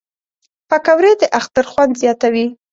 پکورې د اختر خوند زیاتوي